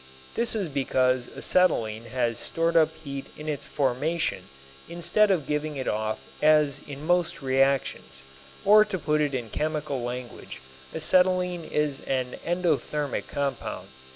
This is because acetylene has stored up heat in its formation instead of giving it off as in most reactions, or to put it in chemical language, acetylene is an endothermic compound.